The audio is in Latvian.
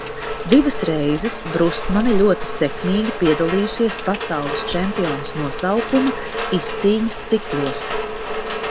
Divas reizes Brustmane ļoti sekmīgi piedalījusies Pasaules čempiones nosaukuma izcīņas ciklos.